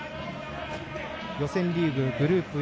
予選リーグ、グループＡ